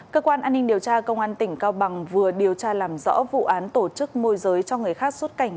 cơ quan an ninh điều tra công an tỉnh cao bằng vừa điều tra làm rõ vụ án tổ chức môi giới cho người khác xuất cảnh